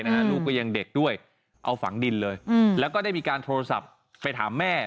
ลูกก็ยังเด็กด้วยเอาฝังดินเลยแล้วก็ได้มีการโทรศัพท์ไปถามแม่